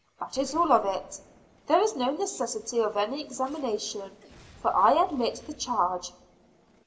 That is all of it. There is no necessity of any examination, for I admit the charge."